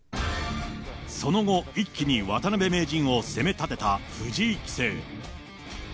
その後、一気に渡辺名人を責め立てた藤井棋聖。